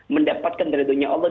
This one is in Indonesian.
mendapatkan redunya allah